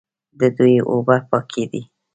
د دوی اوبه پاکې دي.